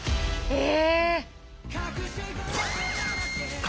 え！